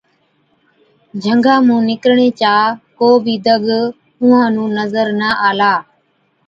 جھنگا مُون نِڪرڻي چا ڪو بِي دگ اُونهان نُون نظر نہ آلا۔